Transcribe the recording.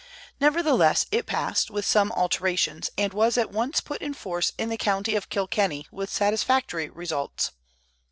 Nevertheless it passed, with some alterations, and was at once put in force in the county of Kilkenny, with satisfactory results.